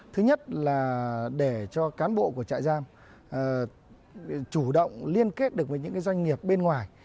thứ nhất là để cho cán bộ của trại giam chủ động liên kết được với những doanh nghiệp bên ngoài